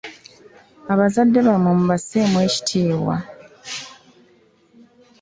Abazadde bammwe mubasseemu ekitiibwa.